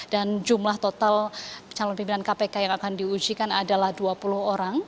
dan jumlah total calon pimpinan kpk yang akan diujikan adalah dua puluh orang